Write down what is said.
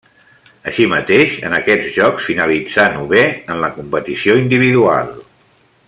Així mateix en aquests Jocs finalitzà novè en la competició individual.